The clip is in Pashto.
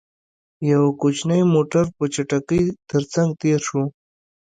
يو کوچينی موټر، په چټکۍ تر څنګ تېر شو.